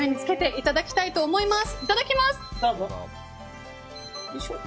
いただきます。